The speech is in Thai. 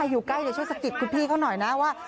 อยู่ใกล้จะช่วยสะกิดคุณพี่เขาหน่อยนะว่า